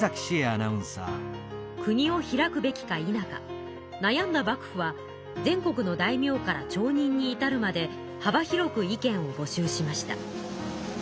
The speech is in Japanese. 国を開くべきかいなかなやんだ幕府は全国の大名から町人にいたるまではば広く意見を募集しました。